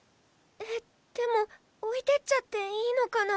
えっでも置いてっちゃっていいのかな。